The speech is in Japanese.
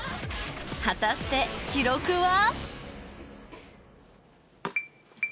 果たして記録は？